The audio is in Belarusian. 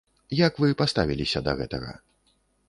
Як вы паставіліся да гэтага?